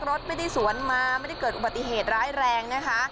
รถไม่ได้สวนมาไม่ได้เกิดอุบัติเหตุร้ายแรงนะคะ